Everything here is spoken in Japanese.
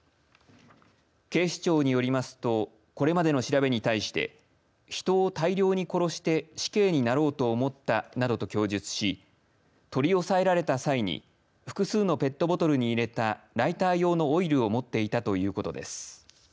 警視庁によりますとこれまでの調べに対して人を大量に殺して死刑になろうと思ったなどと供述し、取り押さえられた際に複数のペットボトルに入れたライター用のオイルを持っていたということです。